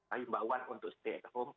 ayun bauan untuk stay at home